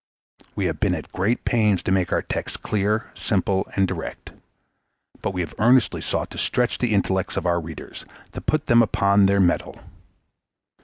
We have been at great pains to make our text clear, simple, and direct; but we have earnestly sought to stretch the intellects of our readers to put them upon their mettle.